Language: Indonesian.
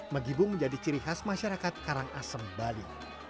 menggibung menjadi ciri khas masyarakat karangasem bali